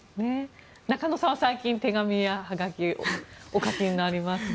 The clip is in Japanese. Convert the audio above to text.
中野さんは最近、手紙やはがきお書きになりましたか？